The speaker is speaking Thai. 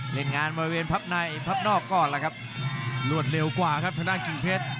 เล่นงานบริเวณพับในพับนอกก่อนล่ะครับรวดเร็วกว่าครับทางด้านกิ่งเพชร